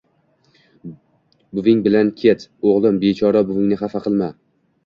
Buving bilan ket, oʻgʻlim, bechora buvingni xafa qilma.